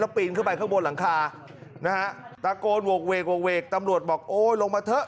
ปีนขึ้นไปข้างบนหลังคานะฮะตะโกนโหกเวกโกกเวกตำรวจบอกโอ้ยลงมาเถอะ